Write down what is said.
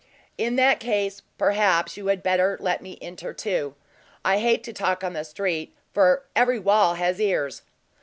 "In that case, perhaps you had better let me enter, too. I hate to talk on the street, for every wall has ears."